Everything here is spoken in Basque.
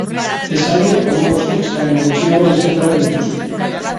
Esaldiek hamabost hitz baino gutxiago izan behar dituzte.